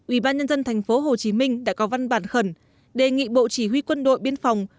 ủy ban nhân dân thành phố hồ chí minh đã có văn bản khẩn đề nghị bộ chỉ huy quân đội biên phòng